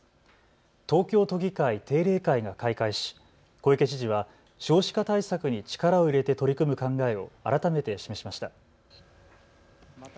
東京都議会定例会が開会し小池知事は少子化対策に力を入れて取り組む考えを改めて示しました。